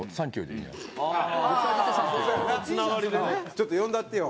ちょっと呼んだってよ。